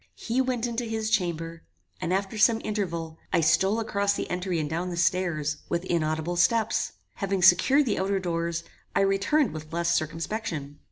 He went into his chamber, and after some interval, I stole across the entry and down the stairs, with inaudible steps. Having secured the outer doors, I returned with less circumspection.